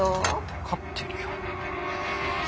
分かってるよ。